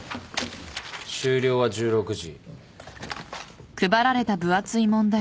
終了は１６時。